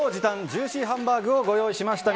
ジューシーハンバーグをご用意しました。